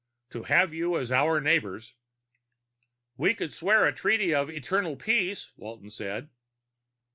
To have you as our neighbors " "We could swear a treaty of eternal peace," Walton said.